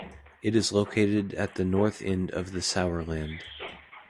It is located at the north end of the Sauerland.